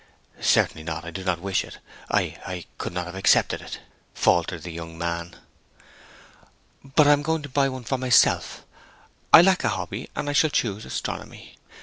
'Certainly not. I do not wish it. I could not have accepted it,' faltered the young man. 'But I am going to buy one for myself. I lack a hobby, and I shall choose astronomy.